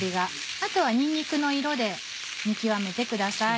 あとはにんにくの色で見極めてください。